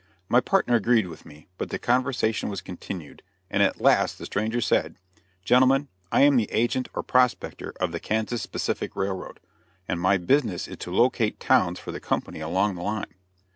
My partner agreed with me, but the conversation was continued, and at last the stranger said: "Gentlemen, I am the agent or prospector of the Kansas Pacific Railroad, and my business is to locate towns for the company along the line."